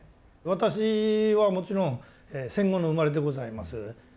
私はもちろん戦後の生まれでございます。